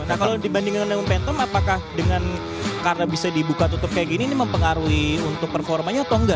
nah kalau dibandingkan dengan petum apakah dengan karena bisa dibuka tutup kayak gini ini mempengaruhi untuk performanya atau enggak